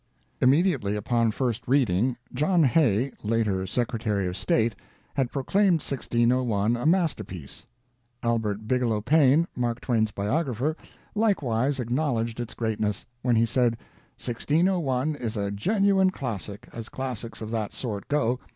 Immediately upon first reading, John Hay, later Secretary of State, had proclaimed 1601 a masterpiece. Albert Bigelow Paine, Mark Twain's biographer, likewise acknowledged its greatness, when he said, "1601 is a genuine classic, as classics of that sort go.